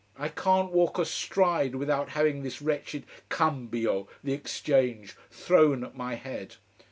I can't walk a stride without having this wretched cambio, the exchange, thrown at my head.